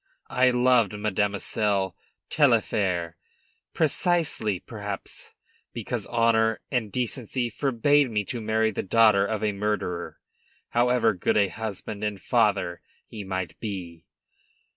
I loved Mademoiselle Taillefer, precisely, perhaps, because honor and decency forbade me to marry the daughter of a murderer, however good a husband and father he might be.